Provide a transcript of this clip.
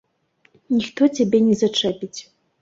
Ніхто цябе не зачэпіць.